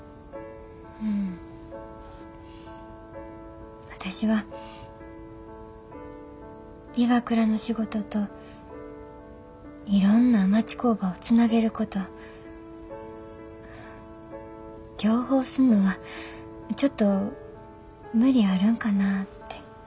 うん私はＩＷＡＫＵＲＡの仕事といろんな町工場をつなげること両方すんのはちょっと無理あるんかなて。